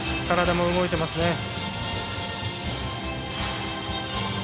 体も動いていますね。